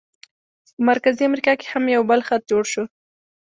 په مرکزي امریکا کې هم یو بل خط جوړ شو.